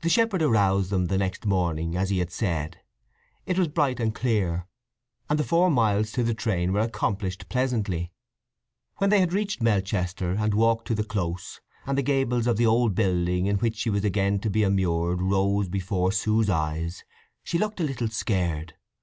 The shepherd aroused them the next morning, as he had said. It was bright and clear, and the four miles to the train were accomplished pleasantly. When they had reached Melchester, and walked to the Close, and the gables of the old building in which she was again to be immured rose before Sue's eyes, she looked a little scared.